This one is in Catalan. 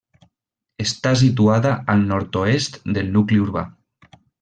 Està situada al nord-oest del nucli urbà.